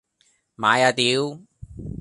買啊屌！